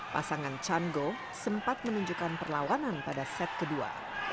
pasangan chan go sempat menunjukkan perlawanan pada set kedua